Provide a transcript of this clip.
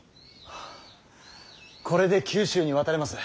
これで九州に渡れます。